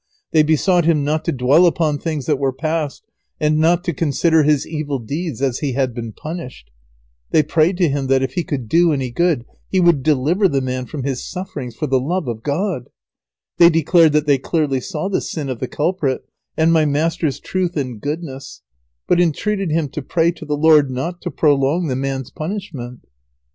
They besought him not to dwell upon things that were past, and not to consider his evil deeds, as he had been punished. They prayed to him that, if he could do any good, he would deliver the man from his sufferings for the love of God. They declared that they clearly saw the sin of the culprit, and my master's truth and goodness, but entreated him to pray to the Lord not to prolong the man's punishment. [Sidenote: All the people pray for the constable to be forgiven.